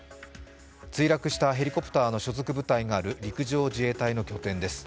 墜落したヘリコプターの所属部隊がある陸上自衛隊の拠点です。